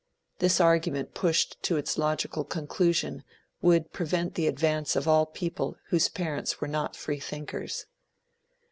This argument pushed to its logical conclusion, would prevent the advance of all people whose parents were not free thinkers.